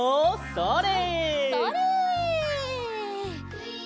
それ！